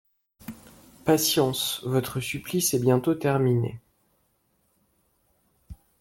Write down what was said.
Patience, votre supplice est bientôt terminé